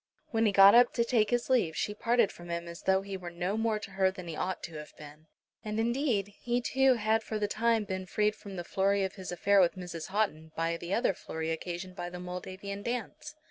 When he got up to take his leave she parted from him as though he were no more to her than he ought to have been. And indeed he too had for the time been freed from the flurry of his affair with Mrs. Houghton by the other flurry occasioned by the Moldavian dance.